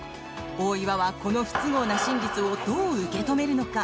大岩はこの不都合な真実をどう受け止めるのか。